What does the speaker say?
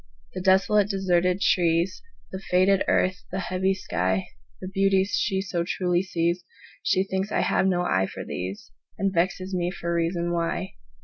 The desolate, deserted trees, The faded earth, the heavy sky, The beauties she so truly sees, She thinks I have no eye for these, And vexes me for reason why.